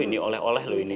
ini oleh oleh loh ini